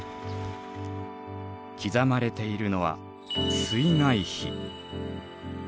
刻まれているのは水害碑。